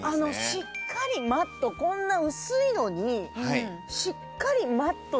しっかりマットこんな薄いのにしっかりマットで。